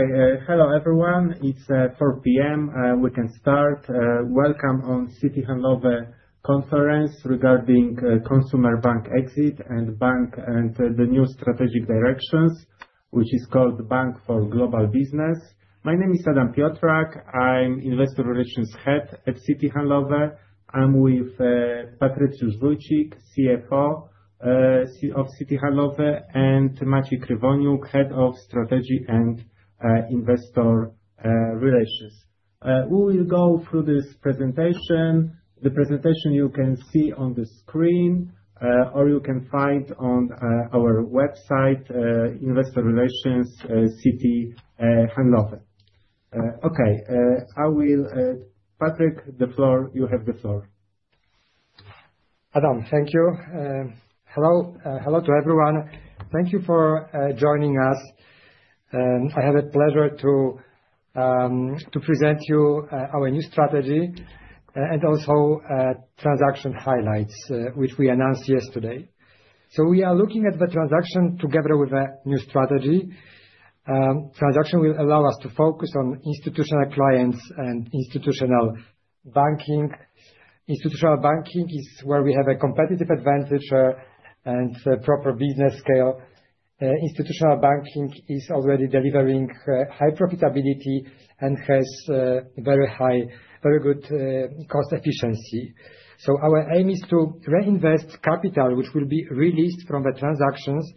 Okay, hello everyone, it's 4:00 P.M., we can start. Welcome on Citi Handlowy conference regarding Consumer Bank exit and bank and the new strategic directions, which is called Bank for Global Business. My name is Adam Piotrak, I'm Investor Relations Head at Citi Handlowy. I'm with Patrycjusz Wójcik, CFO of Citi Handlowy, and Maciej Krywoniuk, Head of Strategy and Investor Relations. We will go through this presentation, the presentation you can see on the screen, or you can find on our website, Investor Relations Citi Handlowy. Okay, I will, Patrick, the floor, you have the floor. Adam, thank you. Hello, hello to everyone. Thank you for joining us. I have the pleasure to present to you our new strategy and also transaction highlights, which we announced yesterday. We are looking at the transaction together with a new strategy. The transaction will allow us to focus on institutional clients and Institutional Banking. Institutional Banking is where we have a competitive advantage and proper business scale. Institutional Banking is already delivering high profitability and has very high, very good cost efficiency. Our aim is to reinvest capital, which will be released from the transactions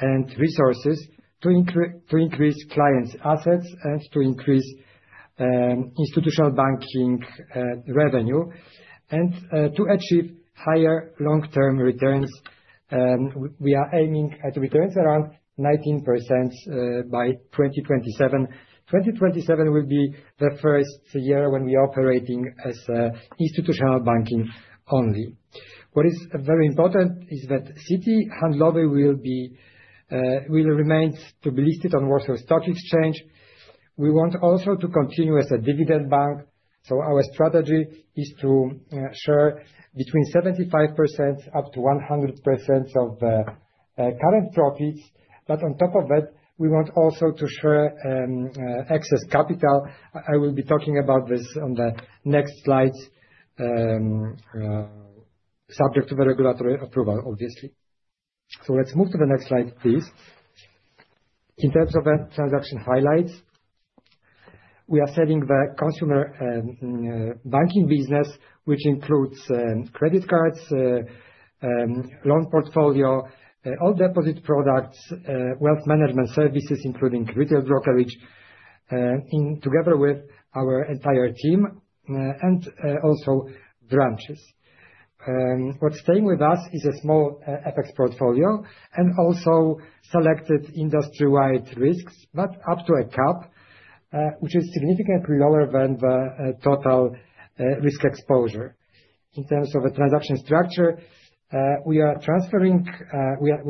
and resources to increase clients' assets and to increase Institutional Banking revenue and to achieve higher long-term returns. We are aiming at returns around 19% by 2027. 2027 will be the first year when we are operating as Institutional Banking only. What is very important is that Citi Handlowy will remain to be listed on the Warsaw Stock Exchange. We want also to continue as a dividend bank. Our strategy is to share between 75%-100% of current profits, but on top of that, we want also to share excess capital. I will be talking about this on the next slides, subject to the regulatory approval, obviously. Let's move to the next slide, please. In terms of transaction highlights, we are selling the Consumer Banking business, which includes credit cards, loan portfolio, all deposit products, wealth management services, including retail brokerage, together with our entire team and also branches. What's staying with us is a small FX portfolio and also selected industry-wide risks, but up to a cap, which is significantly lower than the total risk exposure. In terms of the transaction structure, we are transferring through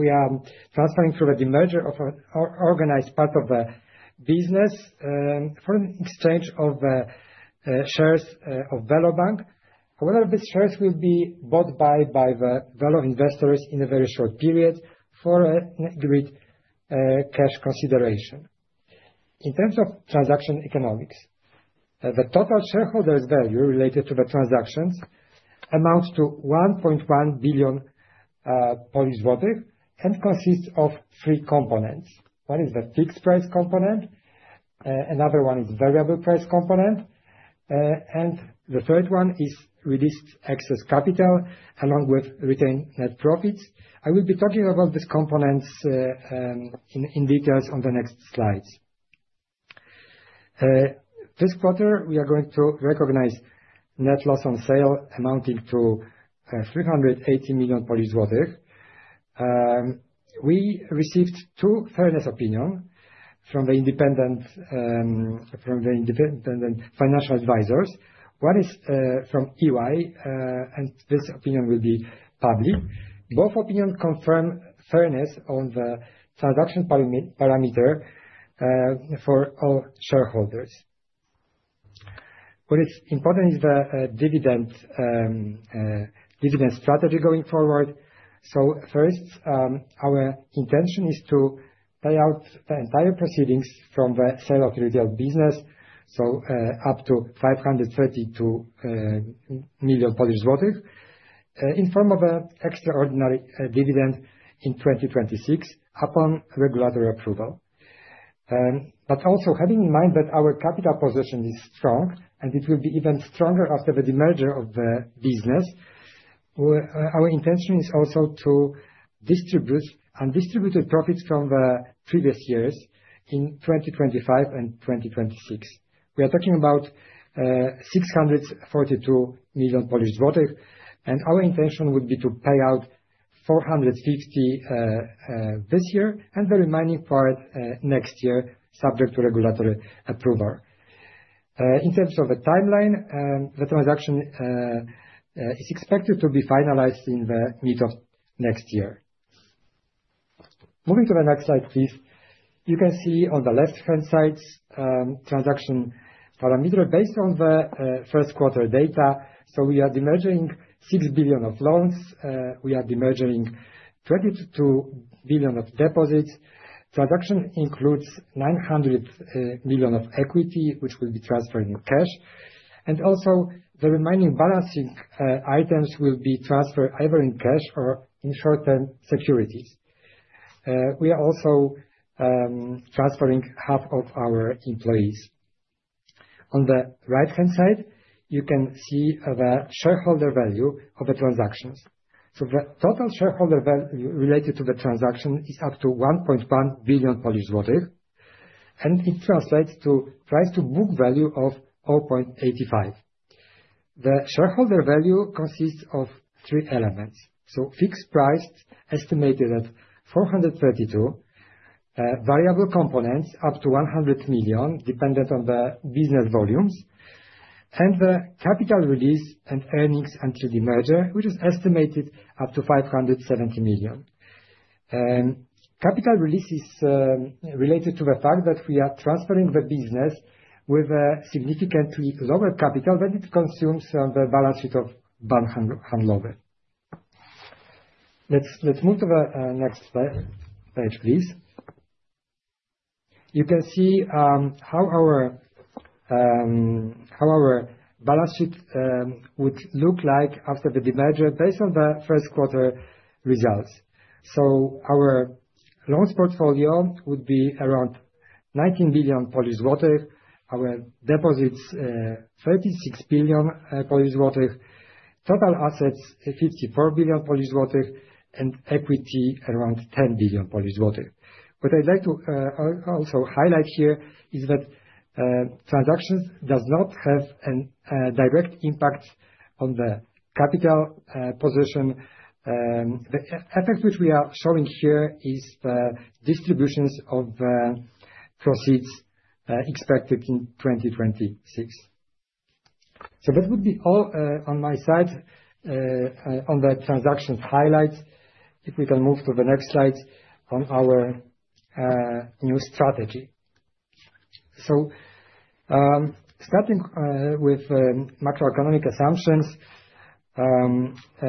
a demerger of an organized part of the business for an exchange of shares of VeloBank. However, these shares will be bought by Velo investors in a very short period for a great cash consideration. In terms of transaction economics, the total shareholders' value related to the transactions amounts to 1.1 billion and consists of three components. One is the fixed price component, another one is the variable price component, and the third one is released excess capital along with retained net profits. I will be talking about these components in detail on the next slides. This quarter, we are going to recognize net loss on sale amounting to 380 million Polish zlotys. We received two fairness opinions from the independent financial advisors. One is from EY, and this opinion will be public. Both opinions confirm fairness on the transaction parameter for all shareholders. What is important is the dividend strategy going forward. First, our intention is to pay out the entire proceedings from the sale of the retail business, so up to 532 million Polish zlotys in the form of an extraordinary dividend in 2026 upon regulatory approval. Also, having in mind that our capital position is strong and it will be even stronger after the demerger of the business, our intention is also to distribute undistributed profits from previous years in 2025 and 2026. We are talking about 642 million Polish zlotys, and our intention would be to pay out 450 million this year and the remaining part next year, subject to regulatory approval. In terms of the timeline, the transaction is expected to be finalized in the middle of next year. Moving to the next slide, please. You can see on the left-hand side transaction parameter based on the first quarter data. We are demerging 6 billion of loans. We are demerging 22 billion of deposits. Transaction includes 900 million of equity, which will be transferred in cash. Also the remaining balancing items will be transferred either in cash or in short-term securities. We are also transferring half of our employees. On the right-hand side, you can see the shareholder value of the transactions. The total shareholder value related to the transaction is up to 1.1 billion Polish zlotys, and it translates to price to book value of 0.85. The shareholder value consists of three elements. Fixed price estimated at 432 million, variable components up to 100 million dependent on the business volumes, and the capital release and earnings until demerger, which is estimated up to 570 million. Capital release is related to the fact that we are transferring the business with a significantly lower capital than it consumes on the balance sheet of Bank Handlowy. Let's move to the next page, please. You can see how our balance sheet would look like after the demerger based on the first quarter results. Our loans portfolio would be around 19 billion, our deposits 36 billion, total assets 54 billion, and equity around 10 billion. What I'd like to also highlight here is that transactions do not have a direct impact on the capital position. The effect which we are showing here is the distributions of proceeds expected in 2026. That would be all on my side on the transactions highlights. If we can move to the next slide on our new strategy. Starting with macroeconomic assumptions, we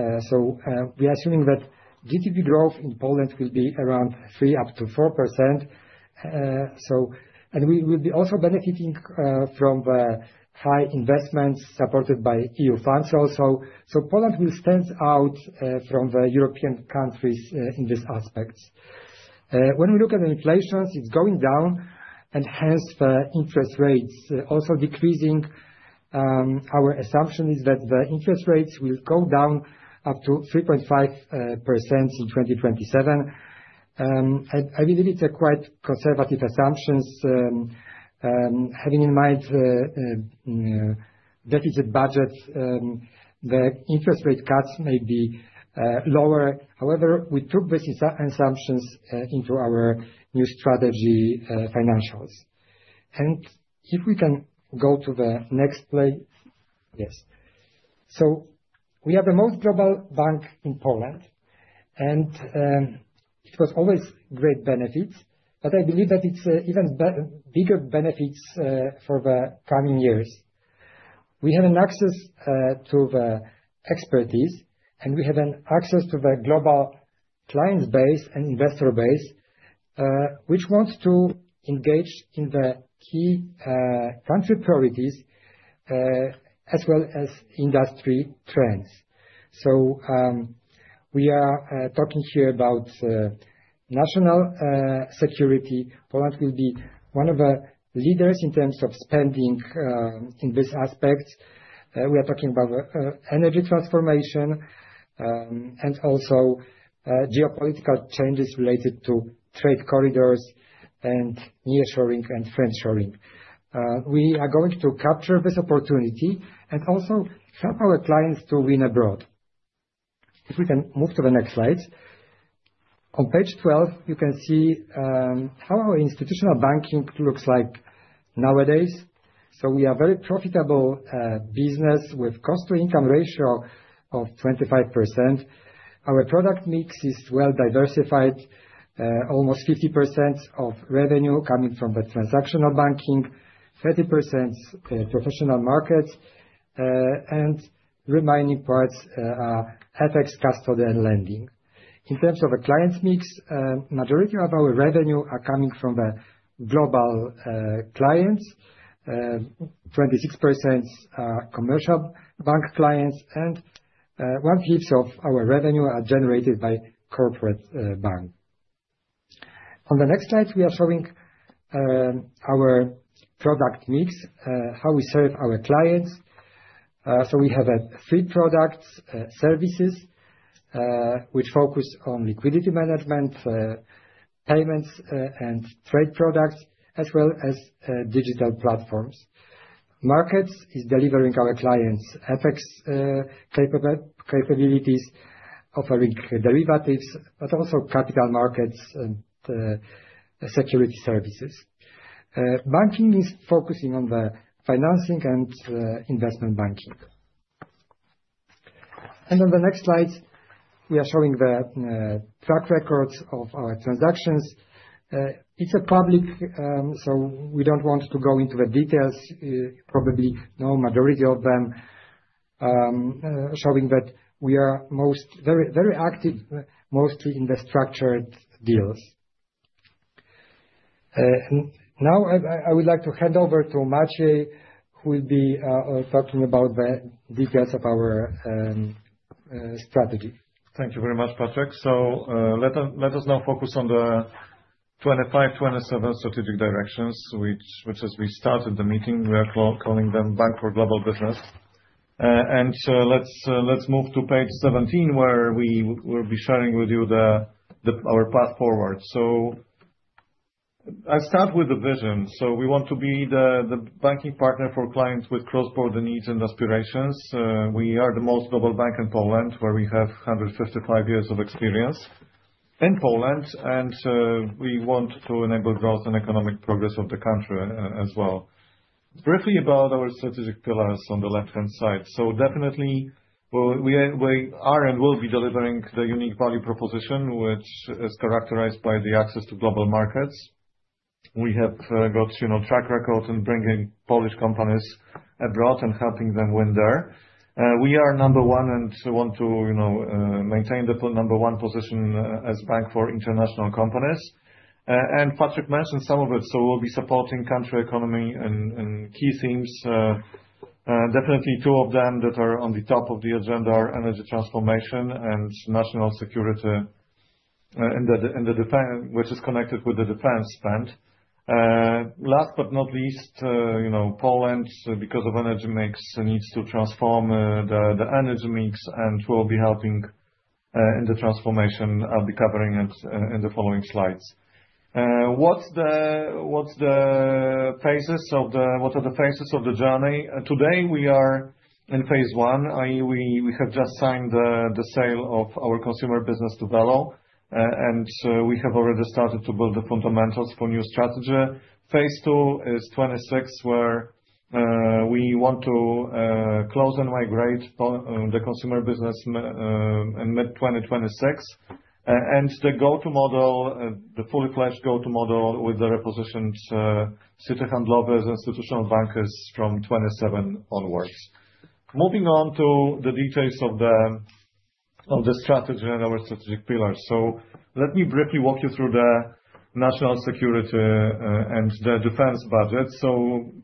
are assuming that GDP growth in Poland will be around 3%–4%. We will also be benefiting from the high investments supported by EU funds. Poland will stand out from the European countries in this aspect. When we look at the inflations, it is going down and hence the interest rates are also decreasing. Our assumption is that the interest rates will go down up to 3.5% in 2027. I believe it is a quite conservative assumption. Having in mind the deficit budget, the interest rate cuts may be lower. However, we took these assumptions into our new strategy financials. If we can go to the next slide, yes. We are the most global bank in Poland, and it was always great benefits, but I believe that it is even bigger benefits for the coming years. We have access to the expertise, and we have access to the global client base and investor base, which wants to engage in the key country priorities as well as industry trends. We are talking here about national security. Poland will be one of the leaders in terms of spending in this aspect. We are talking about energy transformation and also geopolitical changes related to trade corridors and nearshoring and friendshoring. We are going to capture this opportunity and also help our clients to win abroad. If we can move to the next slides. On page 12, you can see how our Institutional Banking looks like nowadays. We are a very profitable business with a cost-to-income ratio of 25%. Our product mix is well diversified, almost 50% of revenue coming from transactional banking, 30% professional markets, and remaining parts are FX, custody, and lending. In terms of the clients mix, the majority of our revenue is coming from the global clients, 26% are commercial bank clients, and one fifth of our revenue is generated by corporate bank. On the next slide, we are showing our product mix, how we serve our clients. We have three products, services, which focus on liquidity management, payments, and trade products, as well as digital platforms. Markets are delivering our clients' FX capabilities, offering derivatives, but also capital markets and security services. Banking is focusing on the financing and investment banking. On the next slide, we are showing the track records of our transactions. It's public, so we don't want to go into the details. You probably know the majority of them, showing that we are very active mostly in the structured deals. Now, I would like to hand over to Maciej, who will be talking about the details of our strategy. Thank you very much, Patryk. Let us now focus on the 2025-2027 strategic directions, which, as we started the meeting, we are calling Bank for Global Business. Let's move to page 17, where we will be sharing with you our path forward. I'll start with the vision. We want to be the banking partner for clients with cross-border needs and aspirations. We are the most global bank in Poland, where we have 155 years of experience in Poland, and we want to enable growth and economic progress of the country as well. Briefly about our strategic pillars on the left-hand side. We are and will be delivering the unique value proposition, which is characterized by the access to global markets. We have got a track record in bringing Polish companies abroad and helping them win there. We are number one and want to maintain the number one position as a bank for international companies. Patryk mentioned some of it, so we will be supporting country economy and key themes. Definitely, two of them that are on the top of the agenda are energy transformation and national security, which is connected with the defense spend. Last but not least, Poland, because of energy mix, needs to transform the energy mix and will be helping in the transformation. I will be covering it in the following slides. What are the phases of the journey? Today, we are in phase one, i.e., we have just signed the sale of our consumer business to VeloBank, and we have already started to build the fundamentals for new strategy. Phase two is 2026, where we want to close and migrate the consumer business in mid-2026. The go-to model, the fully-fledged go-to model with the repositioned Citi Handlowy institutional bankers from 2027 onwards. Moving on to the details of the strategy and our strategic pillars. Let me briefly walk you through the national security and the defense budget.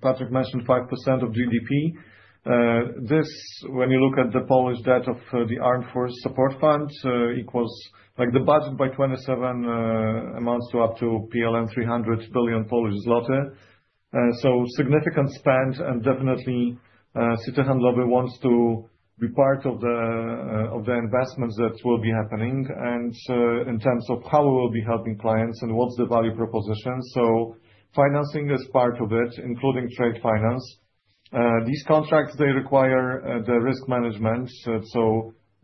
Patryk mentioned 5% of GDP. This, when you look at the Polish debt of the Armed Forces Support Fund, equals the budget by 2027 amounts to up to 300 billion Polish zloty. Significant spend, and definitely Citi Handlowy wants to be part of the investments that will be happening and in terms of how we will be helping clients and what's the value proposition. Financing is part of it, including trade finance. These contracts, they require the risk management.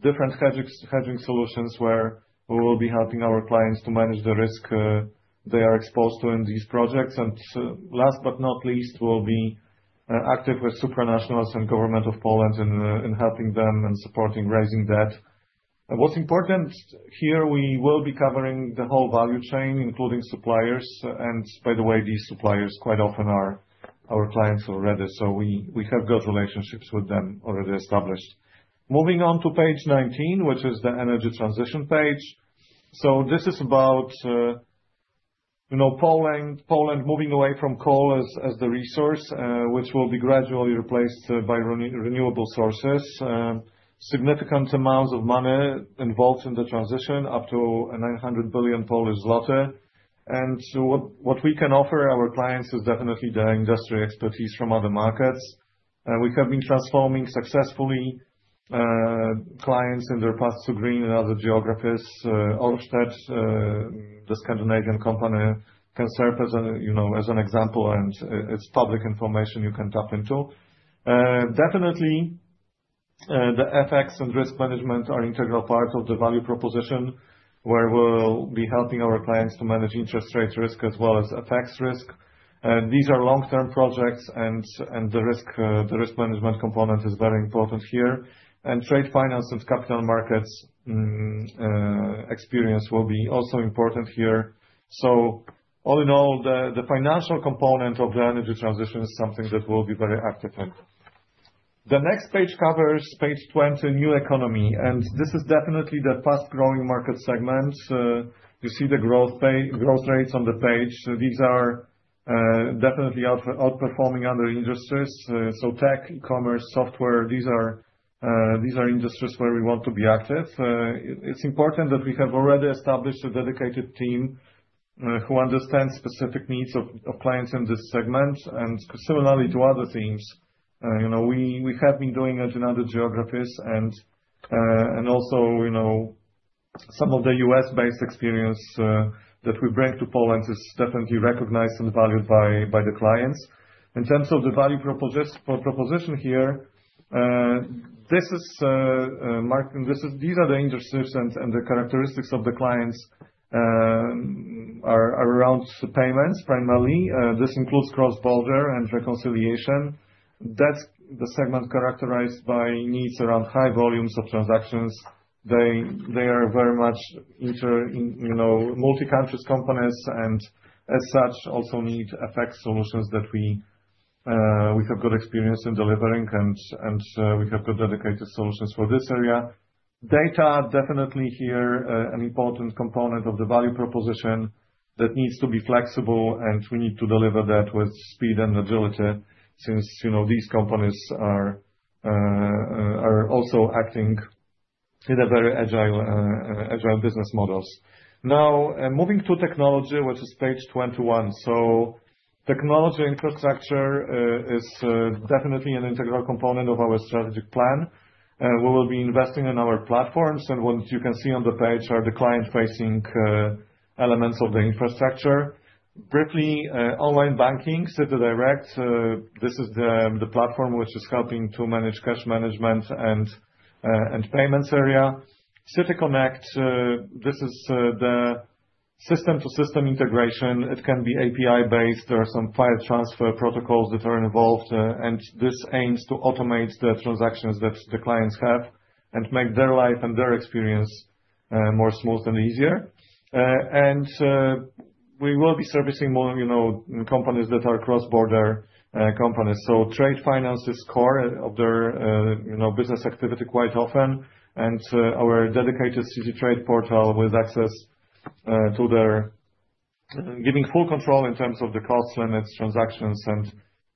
Different hedging solutions where we will be helping our clients to manage the risk they are exposed to in these projects. Last but not least, we'll be active with supranationals and government of Poland in helping them and supporting raising debt. What's important here, we will be covering the whole value chain, including suppliers. By the way, these suppliers quite often are our clients already. We have good relationships with them already established. Moving on to page 19, which is the energy transition page. This is about Poland moving away from coal as the resource, which will be gradually replaced by renewable sources. Significant amounts of money involved in the transition, up to 900 billion Polish zloty. What we can offer our clients is definitely the industry expertise from other markets. We have been transforming successfully clients in their path to green and other geographies. Olmsted, the Scandinavian company, can serve as an example, and it's public information you can tap into. Definitely, the FX and risk management are an integral part of the value proposition, where we'll be helping our clients to manage interest rate risk as well as FX risk. These are long-term projects, and the risk management component is very important here. Trade finance and capital markets experience will be also important here. All in all, the financial component of the energy transition is something that we'll be very active in. The next page covers page 20, new economy. This is definitely the fast-growing market segment. You see the growth rates on the page. These are definitely outperforming other industries. Tech, e-commerce, software, these are industries where we want to be active. It's important that we have already established a dedicated team who understands specific needs of clients in this segment. Similarly to other themes, we have been doing it in other geographies. Also, some of the U.S.-based experience that we bring to Poland is definitely recognized and valued by the clients. In terms of the value proposition here, these are the industries and the characteristics of the clients around payments, primarily. This includes cross-border and reconciliation. That's the segment characterized by needs around high volumes of transactions. They are very much multi-country companies and, as such, also need FX solutions that we have good experience in delivering, and we have good dedicated solutions for this area. Data, definitely here, an important component of the value proposition that needs to be flexible, and we need to deliver that with speed and agility since these companies are also acting in very agile business models. Now, moving to technology, which is page 21. Technology infrastructure is definitely an integral component of our strategic plan. We will be investing in our platforms, and what you can see on the page are the client-facing elements of the infrastructure. Briefly, online banking, CitiConnect. This is the platform which is helping to manage cash management and payments area. CityConnect, this is the system-to-system integration. It can be API-based. There are some file transfer protocols that are involved, and this aims to automate the transactions that the clients have and make their life and their experience more smooth and easier. We will be servicing companies that are cross-border companies. Trade finance is core of their business activity quite often. Our dedicated Citi Trade portal with access to their giving full control in terms of the cost limits, transactions,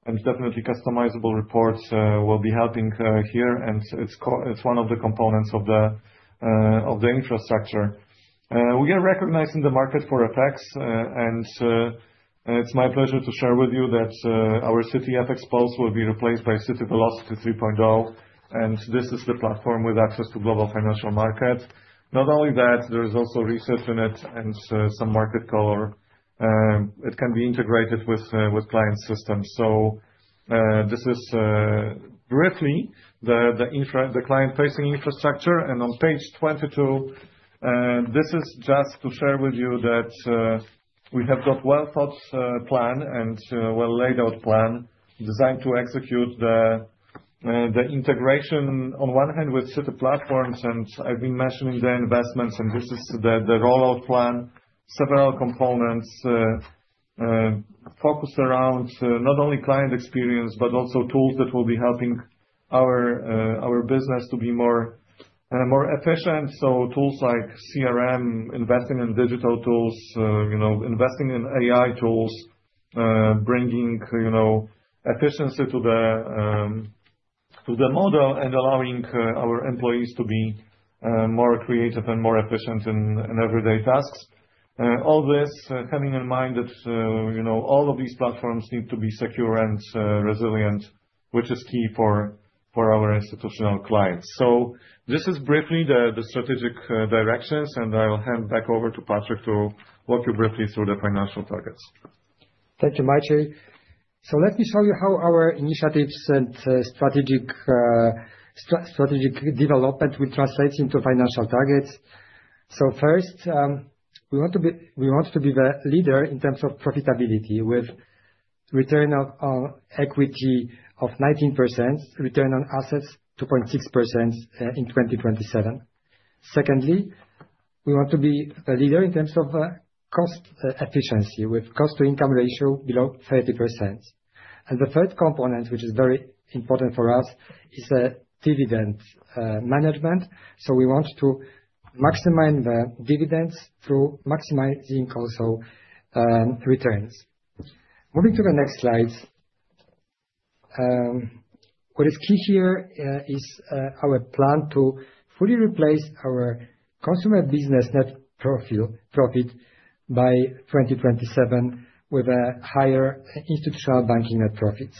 and definitely customizable reports will be helping here. It is one of the components of the infrastructure. We are recognized in the market for FX, and it is my pleasure to share with you that our CitiFX post will be replaced by CityVelocity 3.0. This is the platform with access to global financial markets. Not only that, there is also research in it and some market color. It can be integrated with client systems. This is briefly the client-facing infrastructure. On page 22, this is just to share with you that we have got a well-thought-out plan and well-laid-out plan designed to execute the integration on one hand with city platforms. I've been mentioning the investments, and this is the rollout plan. Several components focused around not only client experience, but also tools that will be helping our business to be more efficient. Tools like CRM, investing in digital tools, investing in AI tools, bringing efficiency to the model and allowing our employees to be more creative and more efficient in everyday tasks. All this having in mind that all of these platforms need to be secure and resilient, which is key for our institutional clients. This is briefly the strategic directions, and I'll hand back over to Patrycjusz to walk you briefly through the financial targets. Thank you, Maciej. Let me show you how our initiatives and strategic development will translate into financial targets. First, we want to be the leader in terms of profitability with return on equity of 19%, return on assets 2.6% in 2027. Secondly, we want to be the leader in terms of cost efficiency with cost-to-income ratio below 30%. The third component, which is very important for us, is dividend management. We want to maximize the dividends through maximizing also returns. Moving to the next slides. What is key here is our plan to fully replace our consumer business net profit by 2027 with higher Institutional Banking net profits.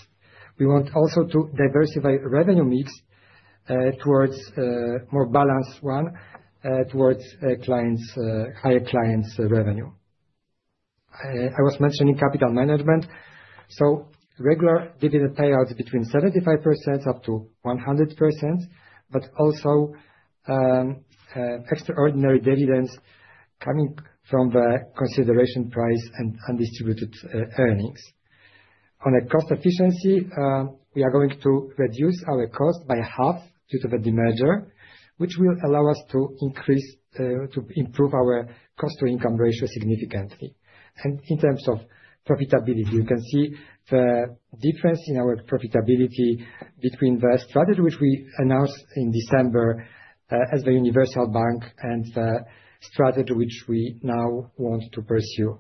We want also to diversify revenue mix towards a more balanced one towards higher clients' revenue. I was mentioning capital management. Regular dividend payouts between 75% up to 100%, but also extraordinary dividends coming from the consideration price and undistributed earnings. On cost efficiency, we are going to reduce our cost by half due to the demerger, which will allow us to improve our cost-to-income ratio significantly. In terms of profitability, you can see the difference in our profitability between the strategy which we announced in December as the universal bank and the strategy which we now want to pursue.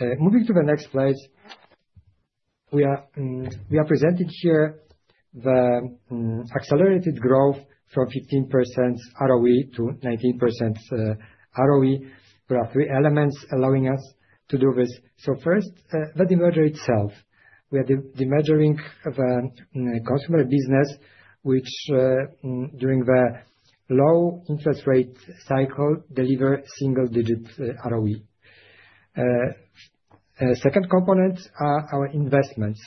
Moving to the next slide, we are presenting here the accelerated growth from 15% ROE to 19% ROE. There are three elements allowing us to do this. First, the demerger itself. We are demerging the consumer business, which during the low interest rate cycle delivers single-digit ROE. Second component are our investments.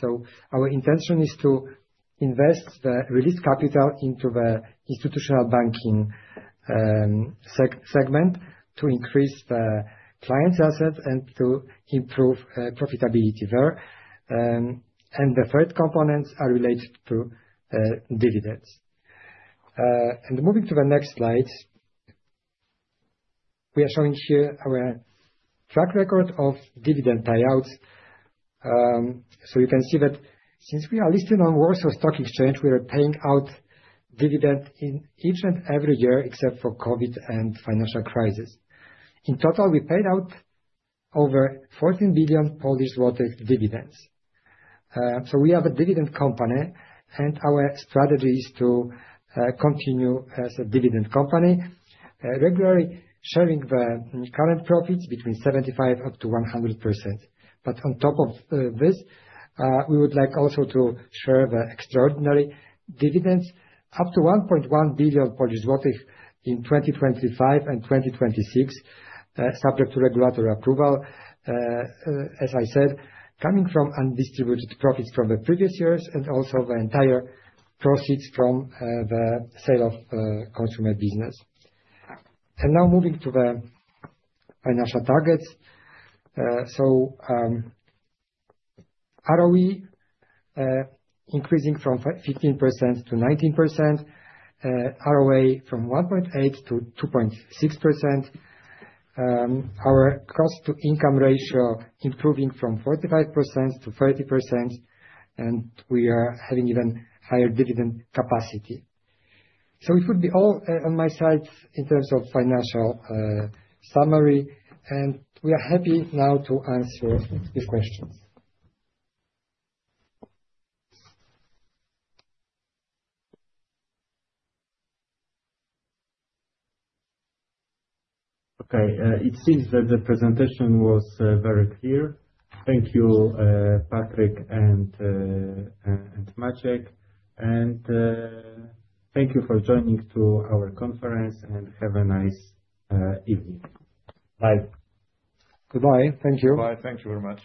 Our intention is to invest the released capital into the Institutional Banking segment to increase the client's assets and to improve profitability there. The third components are related to dividends. Moving to the next slide, we are showing here our track record of dividend payouts. You can see that since we are listed on Warsaw Stock Exchange, we are paying out dividend in each and every year except for COVID and financial crisis. In total, we paid out over 14 billion dividends. We have a dividend company, and our strategy is to continue as a dividend company, regularly sharing the current profits between 75%-100%. On top of this, we would like also to share the extraordinary dividends up to 1.1 billion Polish zlotys in 2025 and 2026, subject to regulatory approval, as I said, coming from undistributed profits from the previous years and also the entire proceeds from the sale of consumer business. Now moving to the financial targets. ROE increasing from 15% to 19%, ROA from 1.8% to 2.6%. Our cost-to-income ratio improving from 45% to 30%, and we are having even higher dividend capacity. It would be all on my side in terms of financial summary, and we are happy now to answer your questions. Okay. It seems that the presentation was very clear. Thank you, Patrycjusz and Maciej. And thank you for joining our conference and have a nice evening. Bye. Goodbye. Thank you. Goodbye. Thank you very much.